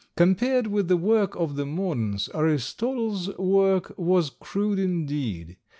Compared with the work of the moderns Aristotle's work was crude indeed.